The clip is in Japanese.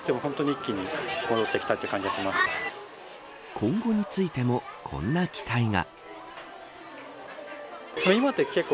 今後についてもこんな期待が。